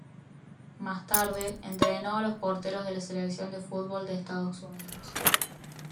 Más tarde, entrenó a los porteros de la selección de fútbol de Estados Unidos.